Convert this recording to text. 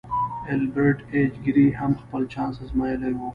ایلبرټ ایچ ګیري هم خپل چانس ازمایلی و